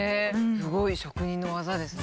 すごい職人の技ですね。